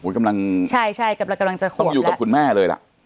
กำลังจะขวบแล้วต้องอยู่กับคุณแม่เลยล่ะ